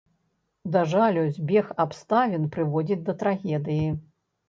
Да жалю, збег абставін прыводзіць да трагедыі.